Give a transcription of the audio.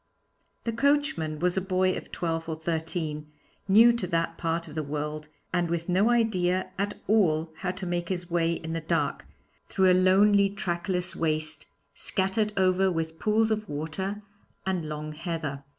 The coachman was a boy of twelve or thirteen, new to that part of the world and with no idea at all how to make his way in the dark, through a lonely trackless waste, scattered over with pools of water and long heather.